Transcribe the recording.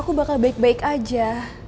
kamu baik baik aja